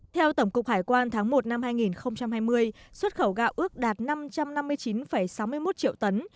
theo tổng cục hải quan tháng một năm hai nghìn hai mươi xuất khẩu gạo ước đạt năm trăm năm mươi chín sáu mươi một triệu tấn